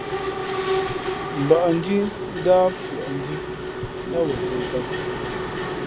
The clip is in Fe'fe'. Mbᾱʼndhǐ ndǎh fʉαʼndhǐ nά wen tᾱ tām.